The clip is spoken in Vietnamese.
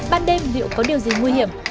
ban đêm dịu có điều gì nguy hiểm